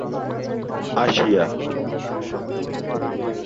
এর লেজের দৈর্ঘ্য মাঝারি প্রকৃতির।